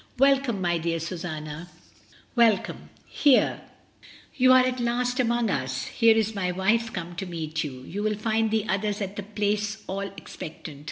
"Welcome, my dear Susanna, welcome. Here 214 MRS. DYMOND. you are at last among us. Here is my wife come to meet you. You will find the others at the Place all expectant!